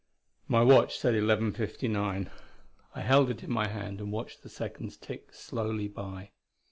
My watch said 11:59; I held it in my hand and watched the seconds tick slowly by.